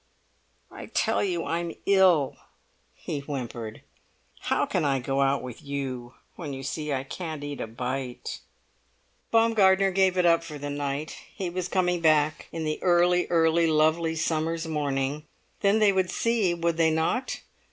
"I tell you I'm ill," he whimpered. "How can I go out with you, when you see I can't eat a bite?" Baumgartner gave it up for the night. He was coming back in the early, early lovely summer's morning; then they would see, would they not?